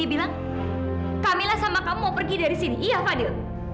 bilang kamilah sama kamu mau pergi dari sini iya fadil